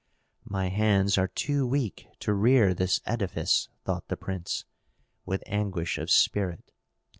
"My hands are too weak to rear this edifice," thought the prince, with anguish of spirit.